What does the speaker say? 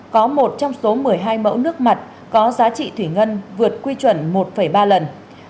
có một trong số một mươi hai mẫu nước mặt có giá trị thủy ngân vượt quy chuẩn một ba lần